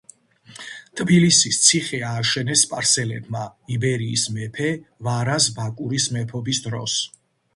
თბილისის ციხე ააშენეს სპარსელებმა იბერიის მეფე ვარაზ-ბაკურის მეფობის დროს.